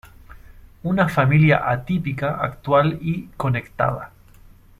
Una familia atípica, actual y "conectada".